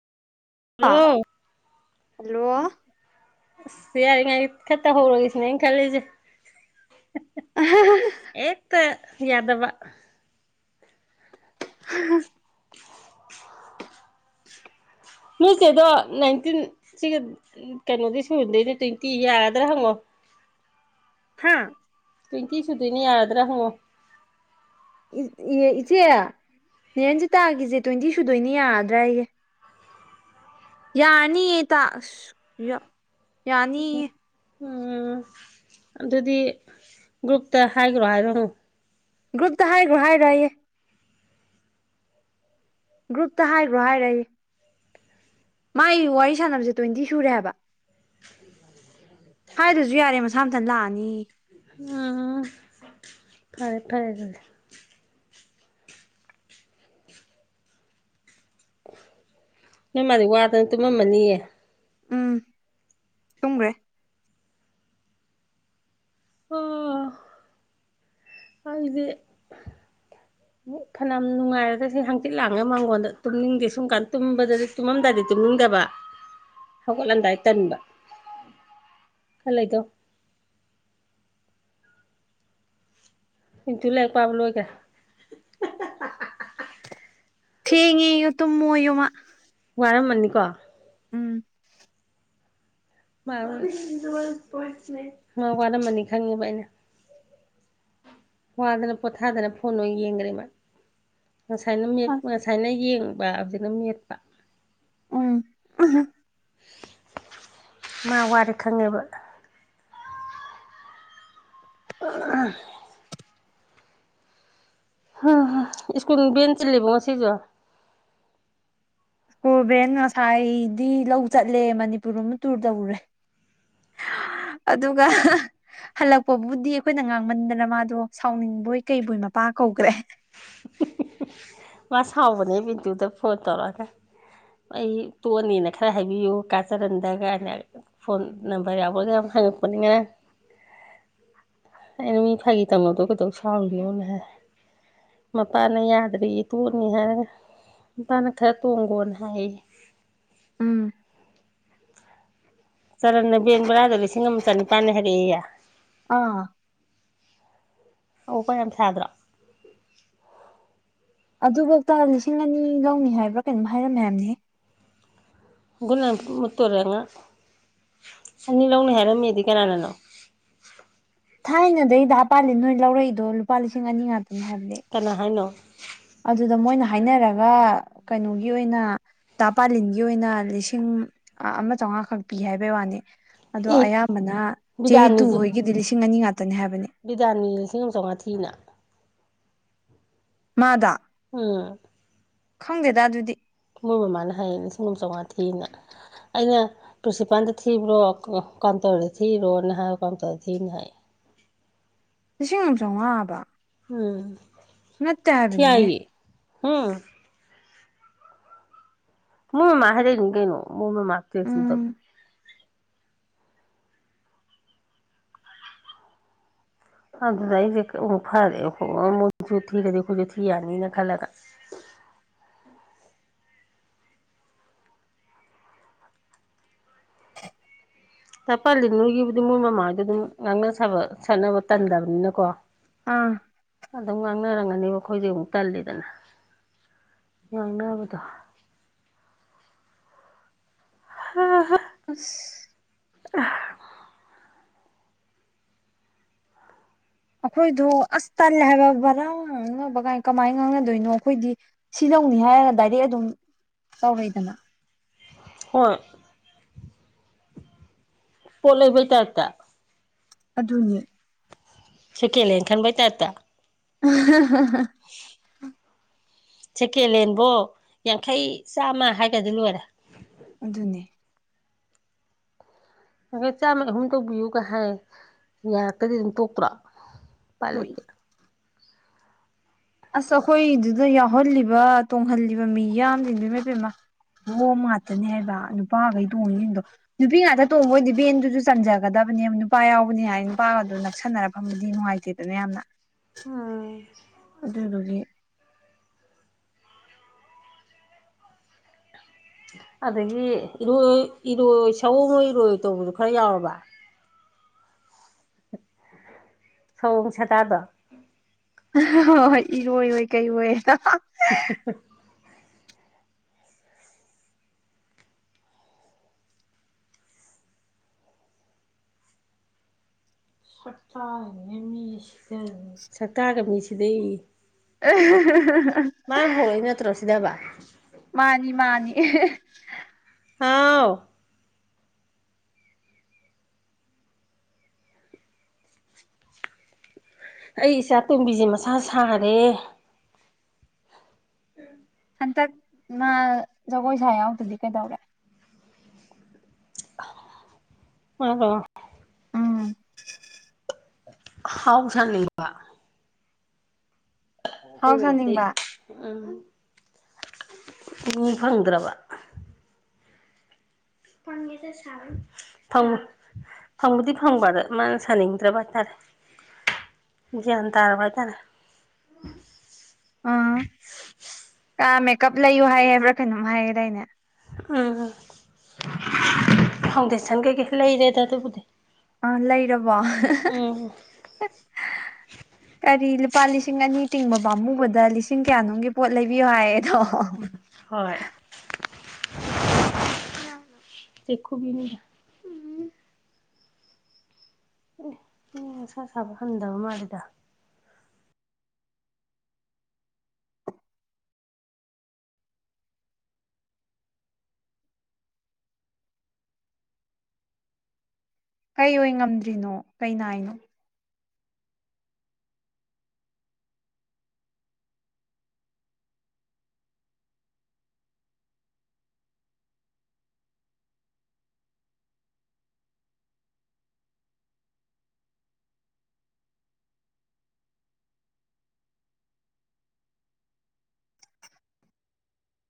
ꯑ hello hello ꯑꯁ ꯌꯥꯔꯤꯉꯩ ꯈꯔ ꯇꯧꯍꯧꯔꯒꯩ ꯁꯤꯅꯦ ꯑꯩꯅ ꯈꯜꯂꯤꯖꯦ ꯑꯦꯛꯇ ꯌꯥꯗꯕ [unintelligible] ꯅꯣꯏ‌ ꯆꯦꯗꯣ ꯅꯥꯏꯟꯇꯤꯟ ꯁꯤꯒ ꯀꯩꯅꯣꯗꯤ ꯁꯨꯗꯣꯏꯅꯦ ꯇ꯭ꯋꯦꯟꯇꯤ ꯌꯥꯔꯗ꯭ꯔꯥ ꯍꯪꯉꯣ ꯍꯥ ꯇ꯭ꯋꯦꯟꯇꯤ ꯁꯨꯗꯣꯏꯅ ꯌꯥꯔꯗ꯭ꯔꯥ ꯍꯪꯉꯣ ꯏꯆꯦ ꯅꯤꯔꯟꯖꯤꯇꯥꯒꯤꯁꯦ ‌‌ꯇ꯭ꯋꯦꯟꯇꯤ ꯁꯨꯗꯣꯏꯅꯤ ꯌꯥꯒꯗ꯭ꯔꯥ ꯌꯦ ꯌꯥꯔꯅꯤ ꯇꯥꯁ ꯌꯥ ꯎꯝ ꯎꯝ ꯑꯗꯨꯗꯤ ꯒ꯭ꯔꯨꯞꯇ ꯍꯥꯏꯈ꯭ꯔꯣ ꯍꯥꯏꯔꯝꯃꯣ ꯒ꯭ꯔꯨꯞꯇ ꯍꯥꯏꯈ꯭ꯔꯣ ꯍꯥꯏꯔꯌꯦ ꯒ꯭ꯔꯨꯞꯇ ꯍꯥꯏꯈ꯭ꯔꯣ ꯍꯥꯏꯔꯌꯦ ꯃꯥꯒꯤ ꯋꯥꯔꯤ ꯁꯥꯟꯅꯕꯁꯦ ꯇ꯭ꯋꯦꯟꯇꯤ ꯁꯨꯔꯦꯕ‌ꯍꯥꯏꯕ [inaudible] ꯍꯥꯏꯗꯔꯁꯨ ꯌꯥꯔꯦ ꯃꯁꯥ ꯃꯊꯟ ꯂꯥꯛꯑꯅꯤ ꯎ ꯐꯔꯦ ꯐꯔꯦ ꯑꯗꯨꯗꯤ ꯅꯣꯏ ꯃꯥ ꯗꯤ ꯋꯥꯗꯅ ꯇꯨꯝꯃꯝꯃꯅꯤꯌꯦ ꯎꯝ ꯇꯨꯝꯒꯔꯦ ꯑꯣ ꯑꯩꯗꯤ ꯐꯅꯌꯥꯝ ꯅꯨꯡꯉꯥꯏꯔꯒ ꯁꯤ ꯍꯥꯡꯆꯤꯠ ꯂꯥꯡꯉꯒ ꯃꯥꯡꯒꯣꯟꯗ ꯇꯨꯝꯅꯤꯡꯗꯦ ꯁꯨꯝ ꯀꯥꯟꯗ ꯇꯨꯝꯕꯗꯗꯤ ꯇꯨꯝꯃꯝꯗꯥꯏꯗꯗꯤ ꯇꯨꯝꯅꯤꯡꯗꯕ ꯍꯧꯒꯠꯂꯝꯗꯥꯏ ꯇꯟꯕ ꯈꯔ ꯂꯩꯗꯧ ꯏꯟꯇ ꯂꯥꯏꯔꯤꯛ ꯄꯥꯕ ꯂꯣꯏꯒꯔꯦ [unintelligible] ꯊꯦꯡꯉꯦꯌꯦ ꯇꯨꯝꯃꯣꯌꯦ ꯃꯥ ꯋꯥꯔꯝꯃꯅꯤꯀꯣ ꯎꯝ [unintelligible] ꯃꯥ ꯋꯥꯔꯝꯃꯅꯤ ꯈꯪꯉꯦꯕ ꯑꯩꯅ ꯋꯥꯗꯅ ꯄꯣꯊꯥꯗꯅ ꯐꯣꯟ ꯑꯣꯏꯅ ꯌꯦꯡꯈ꯭ꯔꯦ ꯃꯥ ꯉꯁꯥꯏꯅ ꯃꯦꯠ ꯑꯁ ꯉꯁꯥꯏꯅ ꯌꯦꯡꯕ ꯍꯧꯖꯤꯛꯅ ꯃꯦꯠ ꯎꯝ ꯃꯥ ꯋꯥꯔꯦ ꯈꯪꯉꯦꯕ [unintelligible] ꯁ꯭ꯀꯨꯜ ꯕꯦꯟ ꯆꯤꯜꯂꯤꯕꯣ ꯉꯁꯤꯁꯨ ꯏꯁꯀꯨꯜ ꯚꯦꯟ ꯉꯁꯥꯏꯗꯤ ꯂꯧ ꯆꯠꯂꯦ ꯃꯅꯤꯄꯨꯔ ꯑꯃ ꯇꯨꯔ ꯇꯧꯔꯨꯔꯦ ꯑꯗꯨꯒ ꯍꯜꯂꯛꯄꯕꯨꯗꯤ ꯑꯩꯈꯣꯏꯅ ꯉꯥꯡꯃꯟꯗꯅ ꯃꯥꯗꯣ ꯁꯥꯎꯅꯤꯡꯕꯣꯏ ꯀꯩꯕꯣꯏ ꯃꯄꯥ ꯀꯧꯈ꯭ꯔꯦ ꯃꯥ ꯁꯥꯎꯕꯅꯦ ꯕꯤꯗꯨꯗ ꯐꯣꯟ ꯇꯧꯔꯛꯑꯒ ꯑꯩ ꯇꯣꯛꯑꯅꯤꯅ ꯈꯔ ꯍꯥꯏꯕꯤꯌꯨ ꯀꯥꯆꯔꯟꯗꯒꯅ ꯐꯣꯟ ꯅꯝꯕꯔ ꯌꯥꯎꯕꯒ ꯌꯥꯝ ꯍꯪꯉꯛꯄꯅꯦ ꯉꯔꯥꯡ ꯑꯩꯅ ꯃꯤ ꯐꯥꯒꯤ ꯇꯧꯅꯕꯗꯣ ꯀꯩꯗꯧ ꯁꯥꯎꯔꯤꯅꯣꯅ ꯍꯥꯏ ꯃꯄꯥꯅ ꯌꯥꯗ꯭ꯔꯤ ꯇꯣꯡꯅꯤ ꯍꯥꯏ ꯃꯄꯥꯅ ꯈꯔ ꯇꯣꯡꯈꯣꯅ ꯍꯥꯏꯌꯦ ꯎꯝ ꯆꯔꯟꯅ ꯕꯦꯟꯕꯔꯥꯗꯣ ꯂꯤꯁꯤꯡ ꯑꯃ ꯆꯅꯤꯄꯥꯟꯅꯤ ꯍꯥꯏꯔꯛꯑꯦꯌꯦ ꯑꯥ ꯑꯋꯣꯛ ꯑꯄꯥ ꯌꯥꯝ ꯁꯥꯗ꯭ꯔꯣ ꯑꯗꯨꯐꯧꯇ ꯂꯤꯁꯤꯡ ꯑꯅꯤ ꯂꯧꯅꯤ ꯍꯥꯏꯕ꯭ꯔꯥ ꯀꯩꯅꯣꯝ ꯍꯥꯏꯔꯝꯃꯦ ꯍꯥꯏꯕꯅꯦꯍꯦ ꯒꯨꯠ ꯅꯥꯏꯗ ꯃꯨꯠꯇꯧꯔꯦ ꯑꯉꯥꯡ ꯑꯅꯤ ꯂꯧꯅꯤ ꯍꯥꯏꯔꯝꯃꯦꯗꯤ ꯀꯅꯥꯅꯅꯣ ꯊꯥꯏꯅꯗꯩ ꯗꯥ ꯄꯥꯂꯤꯟ ꯅꯣꯏ ꯂꯧꯔꯛꯏꯗꯣ ꯂꯨꯄꯥ ꯂꯤꯁꯤꯡ ꯑꯅꯤ ꯉꯥꯛꯇꯅꯦ ꯍꯥꯏꯕꯅꯦ ꯀꯅꯥ ꯍꯥꯏꯅꯣ ꯑꯗꯨꯗ ꯃꯣꯏꯅ ꯍꯥꯏꯅꯔꯒ ꯀꯩꯅꯣꯒꯤ ꯑꯣꯏꯅ ꯇꯥ ꯄꯥꯂꯤꯟꯒꯤ ꯑꯣꯏꯅ ꯂꯤꯁꯤꯡ ꯑ ꯑꯃꯆꯉꯥ ꯈꯛ ꯄꯤ ꯍꯥꯏꯕꯩ ꯋꯥꯅꯤ ꯑꯗꯣ ꯏ ꯑꯌꯥꯝꯕꯅ ꯆꯦꯔꯤꯇꯨ ꯍꯣꯏꯒꯤꯗꯤ ꯂꯤꯁꯤꯡ ꯑꯅꯤ ꯉꯥꯛꯇꯅꯤ ꯍꯥꯏꯕꯅꯤ ꯕꯤꯗꯥꯥꯟꯅꯤ ꯂꯤꯁꯤꯡ ꯑꯃ ꯆꯉꯥ ꯊꯤꯅ ꯃꯥꯗꯣ ꯎꯝ ꯈꯪꯗꯦꯗ ꯑꯗꯨꯗꯤ ꯃꯣꯏ ꯃꯃꯥꯅ ꯍꯥꯏꯌꯦ ꯂꯤꯁꯤꯡ ꯑꯃ ꯆꯧꯉꯥ ꯊꯤꯌꯦꯅ ꯑꯩꯅ ꯄ꯭ꯔꯤꯟꯁꯤꯄꯥꯟꯗ ꯊꯤꯕ꯭ꯔꯣ ꯀ ꯀꯥꯎꯟꯇꯔꯗ ꯊꯤꯕ꯭ꯔꯣꯅ ꯍꯥꯏꯕ ꯀꯥꯎꯟꯇꯔꯗ ꯊꯤꯅꯤ ꯍꯥꯏ ꯂꯤꯁꯤꯡ ꯑꯃ ꯆꯧꯉꯥ ꯑꯕ ꯎꯝ ꯍꯥꯏꯕꯅꯦꯍꯦ ꯊꯤꯍꯥꯏꯌꯦ ꯍꯨꯝ ꯃꯣꯏ ꯃꯃꯥ ꯍꯥꯏꯔꯛꯏꯅꯤ ꯀꯩꯅꯣ ꯃꯣꯏꯃꯃꯥ [unintelligible] ꯎꯝ ꯑꯗꯨꯗꯩꯗꯤ [unintelligible] ꯐꯔꯦ [unintelligible] ꯃꯣꯏꯁꯨ ꯊꯤꯔꯗꯤ ꯑꯩꯈꯣꯏꯁꯨ ꯊꯤ ꯌꯥꯅꯤꯅ ꯈꯜꯂꯒ ꯇꯥ ꯄꯥꯂꯤꯟ ꯅꯣꯏꯒꯤꯕꯨꯗꯤ ꯃꯣꯏ ꯃꯃꯥꯍꯣꯏꯗꯣ ꯑꯗꯨꯝ ꯉꯥꯡꯅ ꯁꯥꯕ ꯁꯥꯟꯅꯕ ꯇꯟꯗꯕꯅꯤꯅꯀꯣ ꯑꯥ ꯑꯗꯨꯝ ꯉꯥꯡꯅꯔꯝꯒꯅꯤꯕ ꯑꯈꯣꯏꯗꯤ ꯑꯃꯨꯛ ꯇꯜꯂꯤꯗꯅ ꯉꯥꯡꯅꯕꯗꯣ ꯍꯥ ꯍꯥ ꯑꯁ [unintelligible] ꯑꯈꯣꯏꯗꯣ ꯑꯁ ꯇꯜꯂꯦ ꯍꯥꯏꯕ ꯚꯔꯥ ꯉꯥꯡꯅꯕ ꯀꯥꯏ ꯀꯃꯥꯏꯅ ꯉꯥꯡꯅꯗꯣꯏꯅꯣ ꯑꯈꯣꯏꯗꯤ ꯁꯤ ꯂꯧꯅꯤ ꯍꯥꯏꯔ ꯗꯥꯏꯔꯦꯛ ꯑꯗꯨꯝ ꯇꯧꯔꯛꯏꯗꯅ ꯍꯣꯏ ꯄꯣꯠ ꯂꯩꯕꯩ ꯇꯥꯏꯞꯇ ꯑꯗꯨꯅꯤ ꯁꯦꯀꯦꯂꯦꯟ ꯈꯟꯕꯩ ꯇꯥꯏꯞꯇ [unintelligible] ꯁꯦꯀꯦꯟꯂꯦꯟꯕꯣ ꯌꯥꯡꯈꯩ ꯆꯥꯝꯃ ꯍꯥꯏꯒꯗꯤ ꯂꯣꯏꯔꯦ ꯑꯗꯨꯅꯦ ꯌꯥꯡꯈꯩ ꯆꯥꯝꯃꯒꯤ ꯑꯍꯨꯝ ꯇꯧꯕꯤꯌꯨꯒ ꯍꯥꯏ ꯌꯥꯔꯛꯇꯗꯤ ꯑꯗꯨꯝ ꯇꯣꯛꯇ꯭ꯔꯣ ꯎꯄꯥꯏ ꯇꯣꯛꯏ ꯂꯩꯇꯦ ꯑꯁ ꯑꯈꯣꯏꯗꯨꯗ ꯌꯥꯎꯍꯜꯂꯤꯕ ꯇꯣꯡꯍꯜꯂꯤꯕ ꯃꯤꯌꯥꯝ ꯖꯤꯡꯗꯨ ꯏꯃꯥꯏꯄꯦꯝꯃ ꯑꯍꯣꯡꯕ ꯉꯥꯛꯇꯅꯦ ꯍꯥꯏꯕ ꯅꯨꯄꯥꯒꯩ ꯇꯣꯡꯉꯤꯖꯤꯡꯗꯣ ꯅꯨꯄꯤ ꯉꯥꯛꯇ ꯇꯣꯡꯕꯣꯏꯗꯤ ꯕꯦꯟꯗꯨꯖꯨ ꯆꯟꯖꯒꯗꯕꯅꯦꯕ ꯅꯨꯄꯥ ꯌꯥꯎꯕꯅꯤ ꯍꯥꯏ ꯅꯨꯄꯥꯒꯗꯨ ꯅꯛꯁꯟꯅꯔꯐꯝꯕꯗꯤ ꯅꯨꯡꯉꯥꯏꯇꯦ [unintelligible] ꯌꯥꯝꯅ ꯎꯝ ꯑꯗꯨꯗꯨꯒꯤ ꯑꯗꯒꯤ ꯏꯔꯣꯏ ꯏꯔꯣꯏ ꯁꯑꯣꯝꯑꯣꯏ ꯏꯔꯣꯏꯑꯣꯏ ꯇꯧꯕꯗꯨ ꯈꯔ ꯌꯥꯎꯔꯕ ꯁꯑꯣꯡ ꯁꯥꯗꯥꯗꯣ [unintelligible] ꯍꯣꯏ ꯏꯔꯣꯏꯑꯣꯏ ꯀꯩꯑꯣꯏ [unintelligible] [unintelligible] ꯁꯛꯇꯥꯉꯩꯅꯦ ꯃꯤ ꯁꯤꯗꯗꯅ ꯁꯛꯇꯥꯒ ꯃꯤ ꯁꯤꯗꯩꯌꯦ [unintelligible] ꯃꯥꯅ ꯍꯧꯔꯛꯏ ꯅꯠꯇ꯭ꯔꯣ ꯁꯤꯗꯕ ꯃꯥꯅꯤ ꯃꯥꯅꯤ [unintelligible] [unintelligible] ꯑꯩ ꯏꯆꯥ ꯇꯣꯝꯕꯤꯖꯤ ꯃꯁꯥ ꯁꯥꯔꯦ [inaudible] ꯍꯟꯇꯛ ꯃꯥ ꯖꯒꯣꯏ ꯁꯥ ꯌꯥꯎꯗꯗꯤ ꯀꯩꯗꯧꯔꯦ [unintelligible] ꯎꯝ ꯑꯍꯥꯎ ꯆꯥꯅꯤꯡꯕ ꯍꯥꯎ ꯑꯩꯅ ꯁꯥꯅꯤꯡꯕ [unintelligible] ꯎꯝ ꯎ ꯐꯪꯗ꯭ꯔꯕ [unintelligible] ꯐꯪ ꯐꯪꯕꯨꯗꯤ ꯐꯪꯕ ꯑꯗ ꯃꯥꯅ ꯁꯥꯅꯤꯡꯖꯕ ꯍꯥꯏꯇꯥꯔꯦ ꯒꯌ꯭ꯥꯟ ꯇꯥꯔꯕ꯭ꯔꯥ ꯇꯥꯔꯦ ꯑ ꯀꯥ ꯃꯦꯀꯞ ꯂꯩꯌꯨ ꯍꯥꯏ ꯍꯥꯏꯕ꯭ꯔꯥ ꯀꯩꯅꯣꯝ ꯍꯥꯏꯌꯦꯗꯥꯏꯅꯦ ꯎꯝ ꯐꯥꯎꯟꯗꯦꯁꯟ ꯀꯩꯀꯩꯩ ꯂꯩꯔꯦꯗ ꯑꯗꯨꯕꯨꯗꯤ ꯑ ꯂꯩꯔꯕꯣ ꯎꯝ [unintelligible] ꯀꯔꯤ ꯂꯨꯄꯥ ꯂꯤꯁꯤꯡ ꯑꯅꯤ ꯇꯤꯡꯕ ꯄꯥꯝꯃꯨꯕꯗ ꯂꯤꯁꯤꯡ ꯀꯌꯥꯅꯣꯝꯒꯤ ꯄꯣꯠ ꯂꯩꯕꯤꯌꯣ ꯍꯥꯏꯌꯦꯗꯣ ꯍꯣꯏ [unintelligible] ꯎꯝ ꯅꯁꯥ ꯁꯥꯕ ꯍꯟꯗꯕ ꯃꯥꯂꯤꯗ ꯀꯩ ꯑꯣꯏ ꯉꯝꯗ꯭ꯔꯤꯅꯣ ꯀꯩ ꯅꯥꯏꯅꯣ